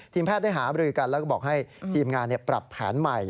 แพทย์ได้หาบริกันแล้วก็บอกให้ทีมงานปรับแผนใหม่